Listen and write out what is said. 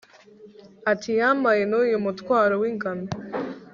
ati yampaye n'uyu mutwaro w'ingano